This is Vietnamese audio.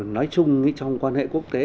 nói chung trong quan hệ quốc tế